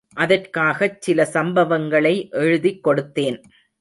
அதற்காகச்சில சம்பவங்களை எழுதிக்கொடுத்தேன்.